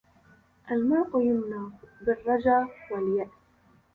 المرء يمنى بالرجا والياس